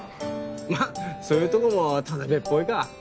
まぁそういうとこも田辺っぽいか。